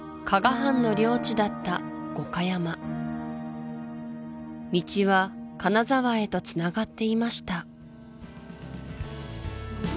藩の領地だった五箇山道は金沢へとつながっていました